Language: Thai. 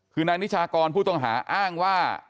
คือนายนิชากรผู้ต้องหาอ้างว่า